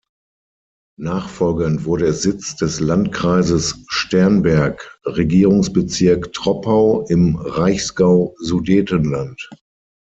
Nachfolgend wurde es Sitz des Landkreises Sternberg, Regierungsbezirk Troppau, im Reichsgau Sudetenland.